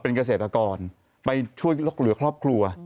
เกษตรกรไปช่วยลดเหลือครอบครัว